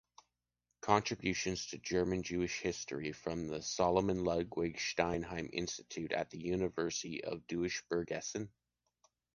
Contributions to German-Jewish history from the Salomon Ludwig Steinheim Institute at the University of Duisburg-Essen"".